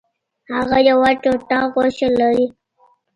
هغه یوه ټوټه غوښه لرله.